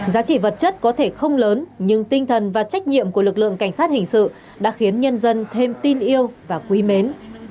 giá trị vật chất có thể không lớn nhưng tinh thần và trách nhiệm của lực lượng cảnh sát hình sự đã khiến nhân dân thêm tin yêu và quý mến